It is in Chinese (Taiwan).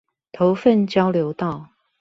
頭份交流道